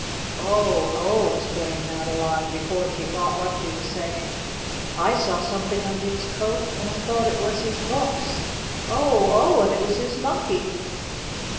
"Oh! Oh!" exclaimed Madeline, before she thought what she was saying. "I saw something under his coat, and I thought it was his books. Oh! Oh! And it was his Monkey!"